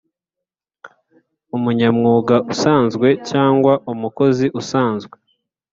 umunyamwuga usanzwe cyangwa umukozi usanzwe